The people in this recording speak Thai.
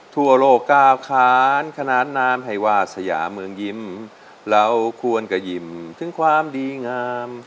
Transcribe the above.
ทั่วโลกก้าวค้านขนานนามให้วาสยาเมืองยิ้มเราควรกระยิ้มถึงความดีงาม